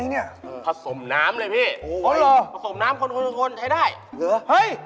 น้ำเลยพี่ผสมน้ำคนใช้ได้เหลือเหรอ